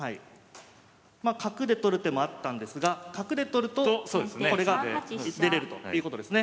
ま角で取る手もあったんですが角で取るとこれが出れるということですね。